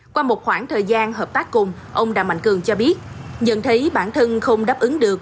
qua một khoảng thời gian hợp tác cùng ông đàm mạnh cường cho biết nhận thấy bản thân không đáp ứng được